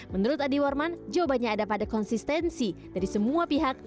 menurut adi warman jawabannya ada pada konsistensi dari semua pihak